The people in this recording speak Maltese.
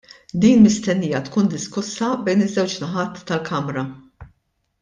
Din mistennija tkun diskussa bejn iż-żewġ naħat tal-kamra.